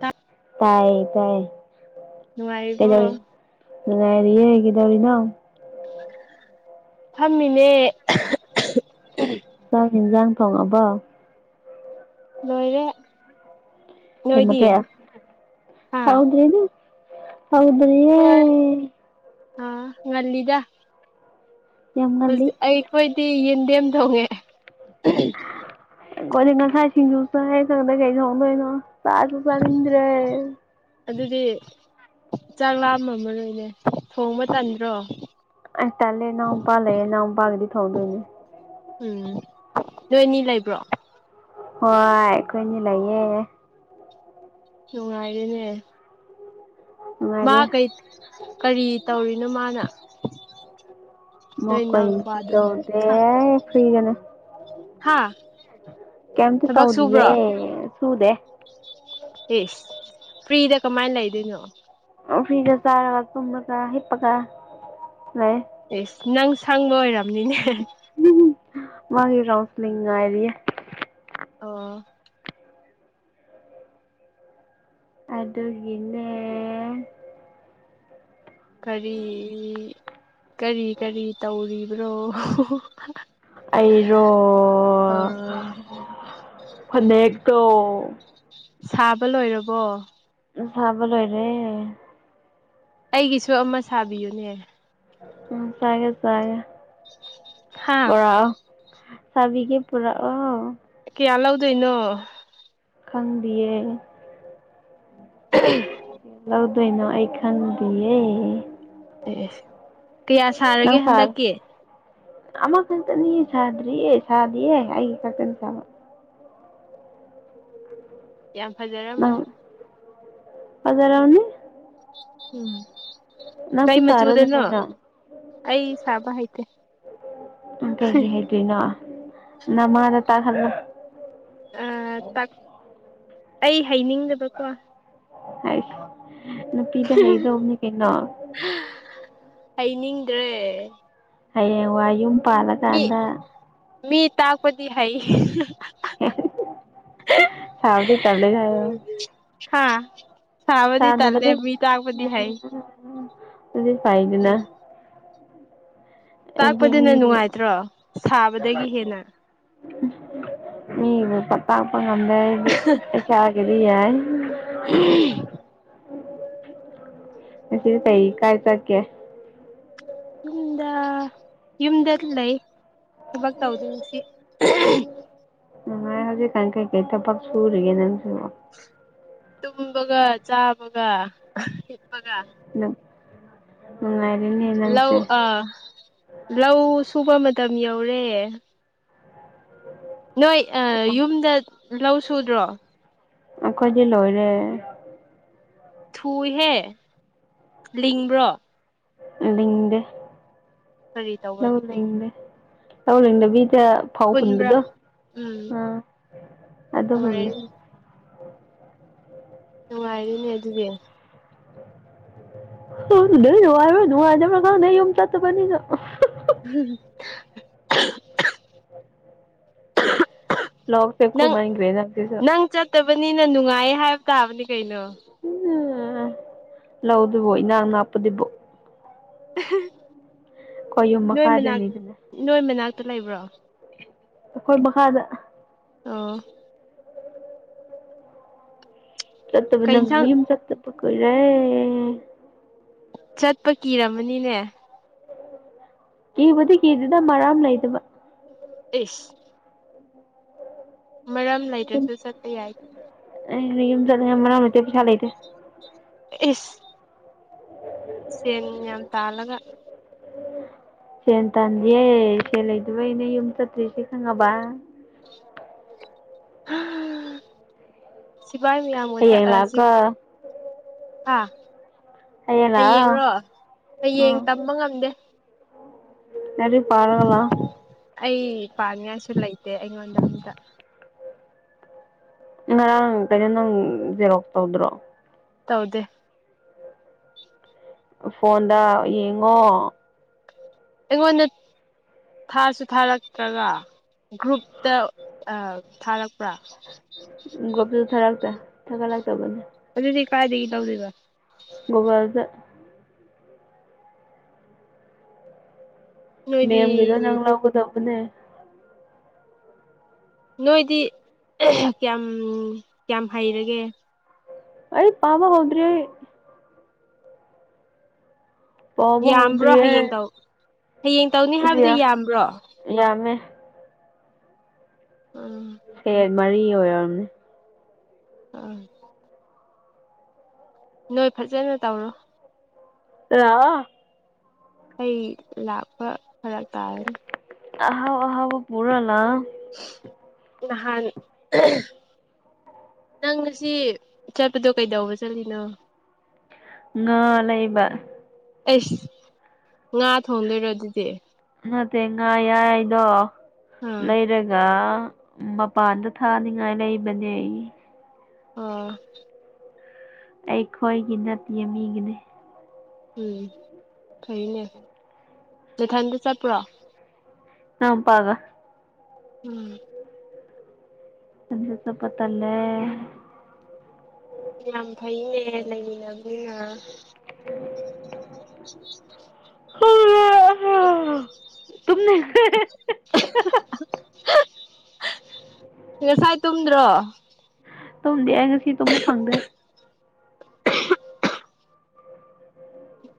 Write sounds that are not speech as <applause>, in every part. ꯇ ꯇꯥꯏꯌꯦ ꯇꯥꯏꯌꯦ ꯅꯨꯡꯉꯥꯏꯔꯤꯕꯣ ꯌꯦ ꯀꯩꯗꯧꯔꯤꯅꯣ ꯐꯝꯃꯤꯅꯦ ꯑꯍꯑꯍ ꯍꯤꯟꯖꯥꯡ ꯊꯣꯡꯉꯕꯣ ꯂꯣꯏꯔꯦ ꯀꯩ ꯅꯣꯏꯗꯤ ꯃꯊꯦꯜ ꯍꯥ ꯍꯧꯗ꯭ꯔꯤꯗ ꯍꯧꯗ꯭ꯔꯤ ꯑꯥ ꯉꯜꯂꯤꯗ ꯌꯥꯝ ꯍꯧꯖꯤꯛ ꯉꯜꯂꯤ ꯑꯩꯈꯣꯏꯗꯤ ꯌꯦꯟꯗꯦꯝ ꯊꯣꯡꯉꯦ ꯑꯈꯣꯏꯗꯤ ꯉꯁꯥꯏ ꯁꯤꯡꯖꯨ ꯆꯥꯏ ꯑꯟꯏꯟꯇꯦꯜꯂꯤꯖꯦꯕꯜ ꯆꯥꯛꯁꯨ ꯆꯥꯅꯤꯡꯗ꯭ꯔꯦ ꯑꯗꯨꯗꯤ ꯆꯥꯛ ꯂꯥꯝꯃꯝ ꯃꯔꯣꯏꯅꯦ ꯊꯣꯡꯕ ꯇꯟꯗ꯭ꯔꯣ ꯑꯦ ꯇꯜꯂꯦ ꯏꯅꯥꯎꯄꯥ ꯂꯩꯌꯦ ꯏꯅꯥꯎꯄꯥꯒꯗꯤ ꯊꯣꯡꯗꯣꯏꯅꯦ ꯎꯝ ꯅꯣꯏꯅꯤ ꯂꯩꯕ꯭ꯔꯣ ꯍꯣꯏ ꯑꯩꯈꯣꯏꯅꯤ ꯂꯩꯌꯦ ꯅꯨꯡꯉꯥꯏꯔꯦꯅꯦ ꯃꯥ ꯅꯨꯡꯉꯥꯏꯔꯦ ꯀꯩ ꯀꯔꯤ ꯇꯧꯔꯤꯅꯣ ꯃꯥꯅ ꯃ ꯅꯣꯏ ꯏꯅꯥꯎ ꯀꯣꯏꯁꯨ ꯅꯨꯄꯥꯗꯣ ꯇꯧꯗꯦ ꯐ꯭ꯔꯤꯗ ꯂꯩ ꯍꯥꯥ ꯀꯦꯝꯇ ꯇꯧꯗꯤꯌꯦ ꯁꯨꯗꯦ ꯏꯁ ꯐ꯭ꯔꯤꯗ ꯀꯃꯥꯏꯅ ꯂꯩꯗꯣꯏꯅꯣ ꯑ ꯐ꯭ꯔꯤꯗ ꯆꯥꯔꯒ ꯇꯨꯝꯃꯒ ꯍꯤꯞꯄꯒ ꯂꯩꯌꯦ ꯏꯁ ꯅꯪ ꯁꯪꯕ ꯑꯣꯏꯔꯝ ꯃꯥꯒꯤ ꯀꯥꯎꯟꯁꯤꯂꯤꯡ ꯉꯥꯏꯔꯤꯌꯦ ꯑꯣ ꯑꯗꯨꯒꯤꯅꯦ ꯀꯔꯤ ꯀꯔꯤ ꯀꯔꯤ ꯇꯧꯔꯤꯕ꯭ꯔꯣ ꯑꯩꯔꯣ ꯐꯅꯦꯛꯇꯣ ꯁꯥꯕ ꯂꯣꯏꯔꯕꯣ ꯁꯥꯕ ꯂꯣꯏꯔꯦ ꯑꯩꯒꯤꯁꯨ ꯑꯃ ꯁꯥꯕꯤꯌꯨꯅꯦ ꯎꯝ ꯁꯥꯒꯦ ꯁꯥꯒꯦ ꯍꯥ ꯄꯣꯔꯣꯛꯑꯣ ꯁꯥꯕꯤꯒꯦ ꯄꯨꯔꯛꯑꯣ ꯀꯤꯌꯥ ꯂꯧꯗꯣꯏꯅꯣ ꯈꯪꯗꯤꯌꯦ ꯑꯝꯍꯝ ꯂꯧꯗꯣꯏꯅꯣ ꯑꯩ ꯈꯪꯗꯤꯌꯦ ꯑꯦ ꯀꯌꯥ ꯁꯥꯔꯒꯦ ꯍꯟꯗꯛꯀꯤ ꯑꯃ ꯀꯪꯇꯅꯤ ꯁꯥꯗ꯭ꯔꯤꯌꯦ ꯁꯥꯗꯤꯌꯦ ꯑꯩꯒꯤ ꯈꯛꯇꯪ ꯁꯥꯕ ꯌꯥꯝ ꯅꯪ ꯐꯖꯔꯝꯃꯅꯤ ꯐꯖꯔꯝꯅꯤ ꯎꯝ ꯀꯩ ꯅꯪꯁꯨ ꯁꯥꯔꯣꯗ ꯃꯆꯨꯗꯅꯣ ꯀꯩꯅꯣ ꯑꯩ ꯁꯥꯕ ꯍꯩꯇ ꯇꯦ ꯑꯝ ꯀꯩꯒꯤ ꯍꯩꯇ꯭ꯔꯤꯅꯣ ꯅꯃꯥꯗ ꯇꯥꯛꯍꯜꯂꯣ ꯑ ꯇꯥꯛ ꯑꯩ ꯍꯥꯏꯅꯤꯡꯗꯕꯀꯣ ꯑꯩꯁ ꯅꯨꯄꯤꯗ ꯍꯩꯗꯧꯕꯅꯤ ꯀꯩꯅꯣ ꯍꯩꯅꯤꯡꯗ꯭ꯔꯦ ꯍꯌꯦꯡ ꯋꯥꯏ ꯌꯨꯝ ꯃꯤ ꯄꯥꯜꯂꯀꯥꯟꯗ ꯃꯤ ꯇꯥꯛꯄꯗꯤ ꯍꯩ ꯁꯥꯎꯗꯤ ꯇꯜꯂꯦ ꯍꯥꯏꯌꯣ ꯍꯥꯥ ꯁꯥꯕꯗꯤ ꯇꯜꯂꯦ ꯁꯥꯎꯅꯕꯗꯤ ꯃꯤ ꯇꯥꯛꯄꯗꯤ ꯍꯩ ꯑꯗꯨꯗꯤ ꯐꯩꯗꯅ ꯎꯝ ꯇꯥꯛꯄꯗꯨꯅ ꯅꯨꯡꯉꯥꯏꯇ꯭ꯔꯣ ꯁꯥꯕꯗꯒꯤ ꯍꯦꯟꯅ ꯎ ꯄꯠꯇ ꯉꯝꯗ ꯑꯩꯗꯤ ꯑꯩ ꯏꯁꯥꯒꯤꯗꯤ ꯌꯥꯏ ꯁꯤ ꯇꯩ ꯀꯥꯆꯥꯀꯦ ꯏꯗ ꯏꯝꯗ ꯂꯩ ꯂꯩ ꯆꯕꯥꯛ ꯇ ꯍꯧꯗꯁꯤ ꯍꯧꯖꯤꯛ ꯀꯥꯏ ꯀꯩ ꯀꯩ ꯊ ꯄ ꯁꯨꯔꯤꯒꯦ ꯅꯟꯁꯨ ꯇꯨꯝꯕꯒ ꯆꯥꯕꯒ ꯍꯤꯠꯄꯒ ꯎꯝ ꯅꯨꯡꯉꯥꯏ ꯂꯧ ꯑꯥ ꯂꯧ ꯁꯨꯕ ꯃꯇꯝ ꯌꯧꯔꯦ ꯅꯣꯏ ꯌꯨꯝꯗ ꯂꯧ ꯁꯨꯗ꯭ꯔꯣ ꯑꯩꯈꯣꯏꯗꯤ ꯂꯣꯏꯔꯦ ꯊꯨꯏꯍꯦ ꯂꯤꯡꯕ꯭ꯔꯣ ꯑꯤꯡꯗ ꯀꯔꯤ ꯇꯧꯕ ꯑꯗꯨꯗꯤ ꯇꯧꯂ ꯏꯤꯠ ꯐꯥꯎ ꯄꯨꯟꯕ꯭ꯔꯥ ꯍꯨꯟꯕꯗꯣ ꯎꯝ ꯑꯥꯎ ꯍꯨꯜꯂꯦ ꯅꯨꯡꯉꯥꯏꯔꯦ ꯑꯣ ꯅꯨꯡꯉꯥꯏꯔꯤꯅꯦ ꯑꯗꯨꯗꯤ ꯅꯨꯡꯔꯅꯨꯡꯗ ꯀꯥꯎ ꯅ ꯆꯠꯇꯅꯤꯗ <inaudible> ꯂ꯭ꯂꯣꯣꯛꯁꯦ ꯈꯨꯕ ꯑꯟ ꯀꯋꯦꯖꯁ ꯐꯠꯇꯕꯅꯤꯅ ꯅꯨꯡꯉꯥꯏ ꯍꯥꯏꯕ ꯇꯥꯕꯅꯤ ꯀꯩꯅꯣ ꯎꯝ ꯂꯧꯗꯨꯕꯣ ꯏꯅꯥꯥꯡ ꯅꯅꯥꯞꯄꯗꯨꯕꯣ ꯌꯨꯝ ꯅꯣꯏ ꯃꯅꯥꯛ ꯃꯈꯥꯗꯅꯤꯗꯅ ꯅꯣꯏ ꯃꯅꯥꯛꯇ ꯂꯩꯕ꯭ꯔꯣ ꯈꯣꯏꯕꯉꯥꯗ ꯑ ꯆꯠꯇꯕ ꯀꯩ ꯅꯪ ꯏꯟꯁꯥꯡ ꯌꯨꯝ ꯆꯠꯇ ꯄꯨ ꯀꯔꯦ ꯆꯠꯄ ꯀꯤꯔꯝꯃꯅꯤꯅꯦ ꯀꯤꯕꯨꯗꯤ ꯀꯤꯗꯨꯗ ꯃꯔꯥꯝ ꯂꯩꯗꯕ ꯏꯁ ꯃꯔꯝ ꯂꯩꯇ꯭ꯔꯁꯨ ꯆꯠꯄ ꯌꯥꯏ ꯑꯩ ꯌꯨꯝ ꯆꯠꯂꯦ ꯃꯔꯛ ꯅꯇꯦ ꯄꯩꯁꯥ ꯂꯩꯇꯦ ꯏꯁ ꯁꯦꯟ ꯌꯥꯝ ꯇꯥꯜꯂꯒ ꯁꯦꯟ ꯇꯥꯟꯗꯤꯌꯦ ꯁꯦ ꯂꯩꯗꯕ ꯑꯩꯅ ꯌꯨꯝ ꯆꯠꯇ꯭ꯔꯤꯁꯦ ꯈꯪꯉꯕ ꯁꯤꯐꯥꯏ ꯃꯌꯥꯝ ꯆ ꯍꯌꯦꯡ ꯁꯤ ꯂꯥꯛꯑꯣꯀꯣ ꯑꯥ ꯍꯌꯦꯡ ꯂꯥꯛꯑꯣ ꯍꯌꯦꯡꯔꯣ ꯍꯌꯦꯌꯦꯡ ꯎꯝ ꯇꯝꯕ ꯉꯝꯗꯦ ꯔꯤ ꯄꯔꯒꯥ ꯑꯩ ꯄꯥꯅꯤꯡꯉꯥꯏꯁꯨ ꯂꯩꯇꯦ ꯑꯩꯉꯣꯟꯗ ꯑꯗ ꯉꯔꯥꯡ ꯀꯩꯅꯣ ꯅꯪ ꯖꯦꯔꯣꯛ ꯇꯧꯗ꯭ꯔꯣ ꯇꯧꯗꯦ ꯐꯣꯟꯗ ꯌꯦꯡꯉꯣ ꯑꯩꯉꯣꯟꯗ ꯊꯥꯁꯨ ꯊꯥꯔꯛꯇ꯭ꯔꯒ ꯒ꯭ꯔꯨꯞꯇ ꯊꯥꯔꯛꯄ꯭ꯔꯥ ꯒ꯭ꯔꯣꯞꯇꯨꯁꯨ ꯊꯥꯔꯛꯇ ꯊꯥꯒꯠꯂꯛꯇꯕꯅꯤ ꯑꯗꯨꯗꯤ ꯀꯥꯏꯗ ꯂꯎꯗꯕ ꯨꯒꯨꯒꯥꯜꯗ ꯅꯣꯏꯗꯤ ꯃꯦꯝ ꯀꯤꯗꯣ ꯅꯪ ꯂꯧ ꯀꯨꯗꯄꯅꯦ ꯅꯣꯏꯗꯤ ꯀꯌꯥꯝ ꯀꯌꯥꯝ ꯍꯩꯔꯒꯦ ꯑꯩ ꯄꯥꯕ ꯍꯥꯎꯗ꯭ꯔꯤ ꯄꯥꯕ ꯌꯥꯝꯕ꯭ꯔꯣ ꯍꯧꯗ꯭ꯔꯤꯌꯦ ꯍꯌꯦꯡ ꯇꯧ ꯍꯌꯦꯡ ꯇꯧꯅꯤ ꯑꯁ ꯍꯥꯏꯕꯗꯨ ꯌꯥꯝ ꯌꯥꯝꯕ꯭ꯔꯣ ꯌꯥꯝꯃꯦ ꯑ ꯁꯦꯠ ꯃꯔꯤ ꯑꯣꯏꯔꯝꯅꯤ ꯑ ꯅꯣꯏ ꯐꯖꯅ ꯇꯧꯔꯣ ꯂꯥꯛꯑꯣ ꯑꯩ ꯂꯥꯛꯄ ꯐꯔꯛ ꯇꯥꯔꯅꯤ ꯑꯍꯥꯎ ꯑꯍꯥꯎ ꯄꯨꯔ ꯂꯥꯛꯑꯣ ꯅꯍꯥꯟ ꯅꯪ ꯉꯁꯤ ꯆꯠꯄꯗꯣ ꯀꯩꯗꯧꯕ ꯆꯠꯂꯤꯅꯣ ꯉꯥ ꯂꯩꯕ ꯑꯩꯁ ꯉꯥ ꯊꯣꯡꯗꯣꯏꯔꯣ ꯑꯗꯨꯗꯤ ꯇꯦꯡꯉꯥꯏ ꯌꯥꯏꯗꯣ ꯑꯥ ꯂꯩꯔꯒ ꯃꯄꯥꯟꯗ ꯊꯥꯅꯤꯉꯥꯏ ꯂꯩꯕꯅꯦ ꯑꯩ ꯑꯣ ꯑꯩꯈꯣꯏꯒꯤ ꯅꯠꯇꯦ ꯃꯤꯒꯤꯅꯦ ꯎꯝ ꯐꯩꯅꯦ ꯅꯊꯟꯗ ꯆꯠꯄ꯭ꯔꯣ ꯏꯅꯥꯎꯄ ꯒ ꯎꯝ ꯏꯊꯟꯇ ꯆꯠꯄ ꯇꯟꯂꯦ ꯌꯥꯝ ꯐꯩꯅꯦ ꯂꯩꯃꯤꯟꯅꯕꯅꯤꯅ <unintelligible> ꯍ ꯇꯨꯝꯅꯤꯡꯑꯦ ꯉꯁꯥꯏ ꯇꯨꯝꯗ꯭ꯔꯣ ꯇꯨꯝꯗꯦ ꯑꯩ ꯉꯁꯤ ꯇꯨꯝꯕ ꯐꯪꯗꯦ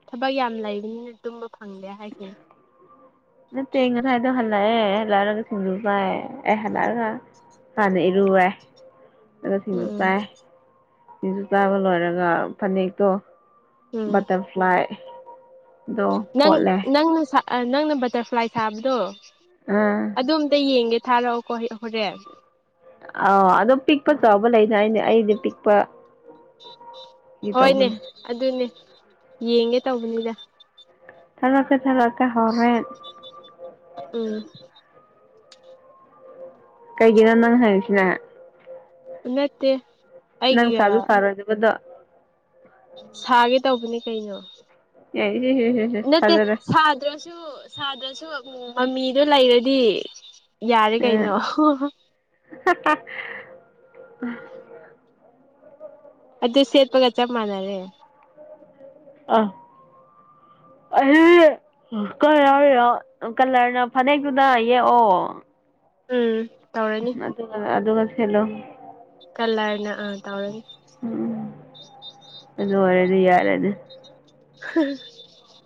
ꯊꯕꯛ ꯌꯥꯝ ꯂꯩꯕꯅꯤꯅ ꯇꯨꯝꯕ ꯐꯪꯗꯦ ꯍꯥꯏꯁꯤꯅꯤ ꯅꯠꯇꯦ ꯉꯁꯥꯏꯗꯣ ꯍꯟꯂꯛꯑꯦ ꯍꯟꯂꯛꯑꯒ ꯁꯤꯡꯖꯨ ꯆꯥꯏ ꯑꯦ ꯍꯜꯂꯛꯑꯒ ꯍꯥꯟꯅ ꯏꯔꯨꯔꯦ ꯑꯗꯨꯒ ꯁꯤꯡꯖꯨ ꯎꯝ ꯆꯥꯏ ꯁꯤꯡꯖꯨ ꯆꯥꯕ ꯂꯣꯏꯔꯒ ꯐꯅꯦꯛꯇꯣ ꯎꯝ ꯕꯇꯔꯐ꯭ꯂꯥꯏ ꯗꯣ ꯅꯪ ꯐꯣꯠꯂꯦ ꯅꯪ ꯅꯪꯅ ꯕꯇꯔꯐ꯭ꯂꯥꯏ ꯁꯥꯕꯗꯣ ꯑꯥ ꯑꯗꯨ ꯑꯝꯇ ꯌꯦꯡꯒꯦ ꯊꯥꯔꯛꯑꯣꯀꯣ ꯍ ꯍꯣꯔꯦꯟ ꯑ ꯑꯗꯨꯝ ꯄꯤꯛꯄ ꯆꯥꯎꯕ ꯂꯩꯅ ꯑꯩꯅ ꯑꯩꯗꯤ ꯄꯤꯛꯄ ꯍꯣꯏꯅꯦ ꯑꯗꯨꯅꯦ ꯌꯦꯡꯒꯦ ꯇꯧꯕꯅꯤꯗ ꯊꯦꯔꯛꯀꯦ ꯊꯦꯔꯛꯀꯦ ꯍꯣꯔꯦꯟ ꯎꯝ ꯀꯩꯒꯤꯅꯣ ꯅꯪ ꯍꯥꯏꯁꯤꯅꯦ ꯅꯠꯇꯦ ꯅꯪ ꯑꯩꯒꯤꯒ ꯁꯥꯁꯨ ꯁꯥꯔꯣꯏꯗꯕꯗ ꯁꯥꯒꯦ ꯇꯧꯕꯅꯦ ꯀꯩꯅꯣ ꯑꯦ ꯅꯠꯇꯦ ꯊꯥꯖꯔꯣꯏ ꯁꯥꯗ꯭ꯔꯁꯨ ꯁꯥꯗ꯭ꯔꯁꯨ ꯃꯃꯤꯗꯣ ꯂꯩꯔꯗꯤ ꯌꯥꯔꯦ ꯀꯩꯅꯣ <unintelligible> ꯑꯗꯨ ꯁꯦꯠꯄꯒ ꯆꯞ ꯃꯥꯟꯅꯔꯦ ꯑ ꯑꯍ ꯀ ꯌꯥꯎꯔꯤꯔꯣ ꯀꯂꯔꯅ ꯐꯅꯦꯛꯇꯨꯗ ꯌꯦꯛꯑꯣ ꯎꯝ ꯇꯧꯔꯅꯤ ꯑꯗꯨꯒ ꯑꯗꯨꯒ ꯁꯦꯠꯂꯣ ꯇꯧꯔꯅꯤ ꯎꯝ ꯑꯗꯨ ꯑꯣꯏꯔꯦꯗꯤ ꯌꯥꯔ ꯑꯗꯨ <inaudible>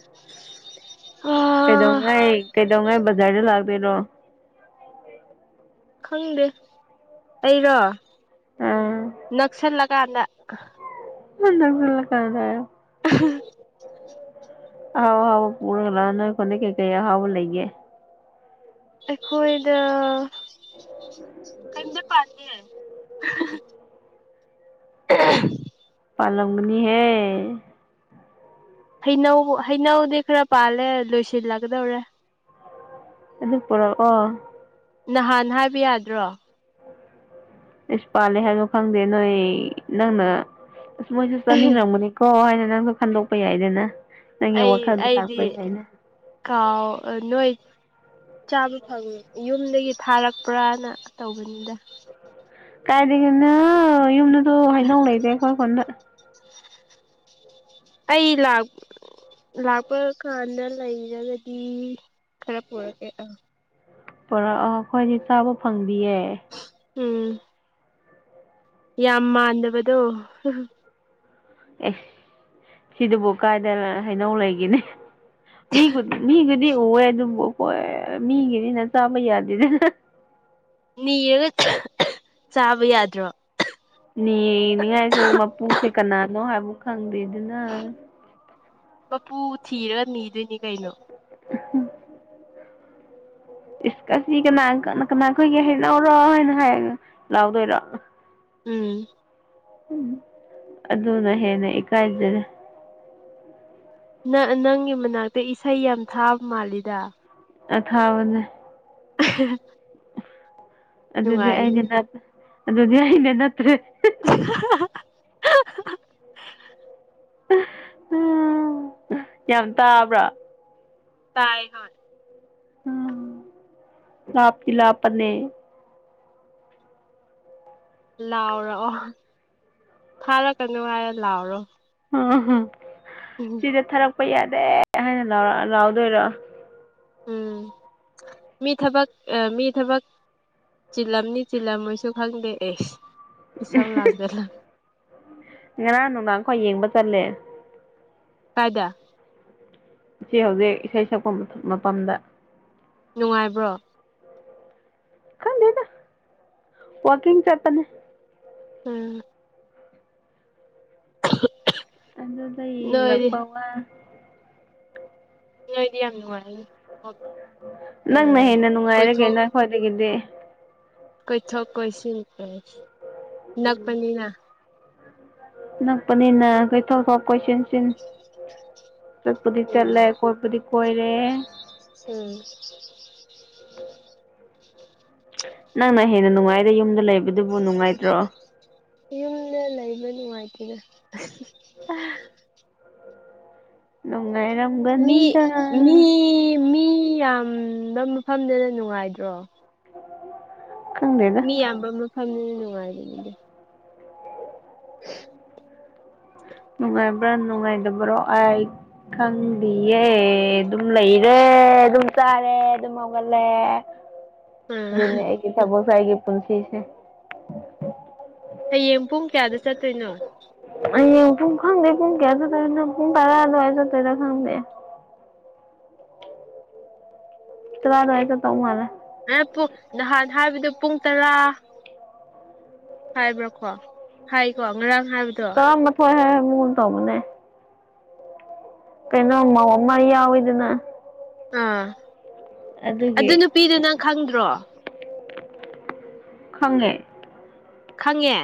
<inaudible> ꯑꯥ ꯀꯩꯗꯧꯉꯥꯏ ꯀꯩꯗꯧꯉꯥꯏ ꯕꯖꯥꯔꯗ ꯂꯥꯛꯇꯣꯏꯔꯣ ꯈꯪꯗꯦ ꯑꯩꯔꯣ ꯑꯥ ꯅꯛꯁꯜꯂ ꯀꯗ ꯍ ꯐꯂ ꯀꯗ <inaudible> ꯑꯣ ꯑ ꯄꯨꯔꯒ ꯂꯅ ꯀꯟꯅ ꯀꯦꯀ ꯍꯥꯎ ꯂꯩꯌꯦꯦ ꯑꯩꯈꯣꯏꯗ ꯀꯩꯗ ꯄꯥꯗ ꯑ ꯄꯥꯜꯂꯝꯂꯝꯒꯅꯤꯍꯦ ꯍꯩꯅꯧ ꯍꯩꯅꯧꯗꯤ ꯈꯔ ꯄꯥꯜꯂꯦ ꯂꯣꯏꯁꯤꯜꯂꯒꯗꯧꯔꯦ ꯑꯗꯨ ꯄꯨꯔꯛꯑꯣ ꯅꯍꯥꯟ ꯍꯥꯏꯕ ꯌꯥꯗ꯭ꯔꯣ ꯑꯩꯁ ꯄꯥꯜꯜꯂꯤꯦ ꯍꯥꯏꯅꯣ ꯈꯪꯗꯦ ꯅꯣꯏ ꯅꯪꯅ ꯃꯣꯏꯁꯨ ꯆꯥꯅꯤꯡꯔꯝꯒꯅꯤꯀꯣ ꯍꯥꯏꯅ ꯅꯪꯁꯨ ꯈꯟꯗꯣꯛꯄ ꯌꯥꯏꯗꯅ ꯅꯪꯒꯤ ꯑꯩ ꯋꯥꯈꯜꯗꯣ ꯑꯩꯗꯤ ꯂꯥꯛꯄ ꯌꯥꯏꯅꯦ ꯀꯥꯎ ꯅꯣꯏ ꯆꯥꯕ ꯐꯪꯉꯤ ꯌꯨꯝꯗꯒꯤ ꯊꯥꯔꯛꯄ꯭ꯔꯥꯅ ꯇꯧꯕꯅꯤꯗ ꯀꯥꯏꯗꯒꯦꯅ ꯌꯨꯝꯗꯁꯨ ꯍꯥꯏꯅꯧ ꯂꯩꯇꯦ ꯑꯩꯈꯣꯏ ꯀꯣꯟꯅ ꯑꯩ ꯂꯥꯛ ꯂꯥꯛꯄ ꯀꯥꯟꯗ ꯂꯩꯔꯒꯗꯤ ꯈꯔ ꯄꯨꯔꯛꯀꯦ ꯑꯥ ꯄꯨꯔꯥ ꯑꯥ ꯑꯩꯈꯣꯏꯗꯤ ꯆꯥꯕ ꯐꯪꯗꯤꯌꯦ ꯎꯝ ꯌꯥꯝ ꯃꯥꯟꯗꯕꯗꯣ ꯑꯦ ꯁꯤꯗꯨꯕꯨ ꯀꯥꯏꯗ ꯍꯩꯅꯧ ꯂꯩꯒꯅꯤ ꯃꯤ ꯃꯤ ꯗꯤ ꯎꯑꯦ ꯑꯗꯨꯝꯕꯨ ꯍꯣꯏ ꯃꯤꯒꯤꯅꯤꯅ ꯆꯥꯕ ꯌꯥꯗꯦꯗꯅ ꯅꯤꯔꯒ ꯆꯥꯕ ꯌꯥꯗ꯭ꯔꯣ ꯅꯤꯉꯥꯏꯁꯨ ꯃꯄꯨꯁꯦ ꯀꯅꯥꯅꯣ ꯍꯥꯏꯕ ꯈꯪꯗꯦꯗꯅ ꯃꯄꯨ ꯊꯤꯔꯒ ꯅꯤꯗꯣꯏꯅꯤ ꯀꯩꯅꯣ ꯏꯁꯁꯤ ꯀꯅꯥ ꯀ ꯀꯅꯥ ꯑꯩꯈꯣꯏꯒꯤ ꯍꯥꯏꯩꯅꯧꯔꯣ ꯍꯥꯏꯅ ꯍꯥꯏꯔꯒ ꯂꯥꯎꯗꯣꯏꯔꯣ ꯎꯝ ꯎꯝ ꯑꯗꯨꯅ ꯍꯦꯟꯅ ꯏꯀꯥꯏꯖꯔꯦ ꯅꯪ ꯅꯪꯒꯤ ꯃꯅꯥꯛꯇ ꯏꯁꯩ ꯌꯥꯝ ꯊꯥꯕ ꯃꯥꯜꯂꯤꯗ ꯑ ꯈꯥꯕꯅꯦ <inaudible> ꯑꯗꯨꯗꯤ ꯅꯨꯡꯉꯥꯏꯅꯦ ꯑꯩꯅ ꯑꯗꯨꯗꯤ ꯑꯩꯅ ꯅꯠꯇ꯭ꯔꯦ <inaudible> ꯎꯝ ꯌꯥꯝ ꯇꯥꯕ꯭ꯔꯥ ꯇꯥꯏ ꯍꯣꯏ ꯆꯞꯀꯤ ꯂꯥꯄꯟꯅ ꯂꯥꯎꯔꯑꯣ ꯊꯥꯔꯛꯀꯅꯨ ꯍꯥꯏꯔ ꯂꯥꯎꯑꯣꯔꯣ ꯎꯝ ꯎꯝ ꯁꯤꯗ ꯊꯥꯔꯛꯄ ꯌꯥꯗꯦ ꯍꯥꯏꯅꯔ ꯂꯥꯎꯗꯣꯏꯔꯣ ꯎꯝ ꯃꯤ ꯊꯕꯛ ꯑ ꯃꯤ ꯊꯕꯛ ꯆꯤꯜꯂꯝꯅꯤ ꯆꯤꯜꯂꯝꯣꯏꯁꯨ ꯈꯪꯗꯦ ꯑꯦꯁ ꯏꯁꯆꯥꯎ ꯂꯥꯡꯗ ꯂ ꯉꯔꯥꯡ ꯅꯨꯡꯗꯥꯡꯈꯋꯥ ꯌꯦꯡꯕ ꯆꯠꯂꯦ ꯀꯥꯏꯗ ꯁꯤ ꯍꯧꯖꯤꯛ ꯏꯁꯩ ꯁꯛꯄ ꯃꯇꯝꯗ ꯅꯨꯡꯉꯥꯏꯕ꯭ꯔꯣ ꯈꯪꯗꯗ ꯋꯥꯀꯤꯡ ꯆꯄꯅꯦ ꯎꯝ ꯑ ꯑꯗꯨꯗꯗ ꯏ ꯂꯄꯋꯥ ꯅꯨꯡꯉꯣꯏꯗꯤ ꯌꯥꯝ ꯅꯨꯡꯉꯥꯏ ꯅꯪꯅ ꯍꯦꯟꯅ ꯅꯨꯡꯉꯥꯏꯔꯒꯦ ꯅ ꯈꯈꯋꯥꯗꯒꯤꯗꯤ ꯀꯣꯏ ꯊꯣꯛ ꯀꯣꯏ ꯁꯤ ꯅꯄꯅꯤꯅꯥ ꯅꯛꯄꯅꯤꯅ ꯀꯩꯊꯣꯛ ꯊꯣꯛ ꯀꯣꯏꯁꯟꯁꯤꯟ ꯆꯠꯄꯗꯤ ꯎꯝ ꯆꯠꯂꯦ ꯀꯣꯏꯕꯗꯤ ꯀꯣꯏꯔꯦ ꯑꯗ ꯎꯝ ꯅꯪꯅ ꯍꯦꯟꯅ ꯅꯨꯡꯉꯥꯏꯗꯦ ꯌꯨꯝꯗ ꯂꯩꯕꯗꯨꯕꯨ ꯅꯨꯡꯉꯥꯏꯇ꯭ꯔꯣ ꯌꯨꯝꯗ ꯂꯩꯕ ꯅꯨꯡꯉꯥꯏꯇꯦꯗ ꯑꯪ ꯃꯤ ꯃꯤ ꯃꯤ ꯌꯥꯝꯕ ꯃꯐꯝꯗꯨꯅ ꯅꯨꯡꯉꯥꯏꯗ꯭ꯔꯣ ꯈꯪꯗꯦꯗ ꯃꯤ ꯌꯥꯝꯕ ꯃꯐꯝꯗꯨꯅ ꯅꯨꯡꯉꯥꯏꯕꯅꯤꯗꯤ ꯅꯨꯡꯉꯥꯏꯕ꯭ꯔꯥ ꯅꯨꯡꯉꯥꯏꯇꯕ꯭ꯔꯣ ꯑꯩ ꯈꯪꯗꯤꯌꯦ ꯑꯗꯨꯝ ꯂꯩꯔꯦ ꯑꯗꯨꯝ ꯆꯥꯔꯦ ꯑꯗꯨꯝ ꯍꯧꯥꯎꯒꯜꯂꯦ ꯑꯥ ꯨꯅꯤꯌꯥꯏꯒꯤ ꯏ ꯊꯕꯁꯥꯏꯒꯤ ꯄꯨꯟꯁꯤꯁ ꯍꯌꯦꯡ ꯄꯨꯡ ꯀꯌꯥꯗ ꯆꯠꯇꯣꯏꯅꯣ ꯑꯩꯌꯦꯡ ꯄꯨꯡ ꯈꯪꯗꯦ ꯄꯨꯡ ꯀꯌꯥ ꯆꯠꯇꯣꯏ ꯅꯪ ꯄꯨꯡ ꯄꯥꯔ ꯑꯗꯨꯋꯥꯏ ꯆꯠꯇꯣꯏꯗ ꯈꯪꯗꯦ ꯇꯔꯏ ꯀ ꯇꯧ ꯃꯥꯅ ꯅꯍꯥꯟ ꯍꯥꯏꯕꯗ ꯄꯨꯡ ꯇꯔꯥ ꯍꯥꯏꯕ꯭ꯔꯣꯀꯣ ꯍꯥꯏꯀꯣ ꯉꯔꯥꯡ ꯍꯥꯏꯕꯗꯣ ꯇꯔꯥꯃꯊꯣꯏ ꯍꯥꯏ ꯑꯃꯨꯛ ꯇꯧꯕꯅꯦ ꯀꯩꯅꯣ ꯃꯧ ꯑꯃ ꯌꯥꯎꯋꯤꯗꯅ ꯑꯥ ꯑꯗꯨꯒꯤ ꯑꯗꯨ ꯅꯨꯄꯤꯗꯨ ꯅꯪ ꯈꯪꯗ꯭ꯔꯣ ꯈꯪꯉꯦ ꯈꯪꯉꯦ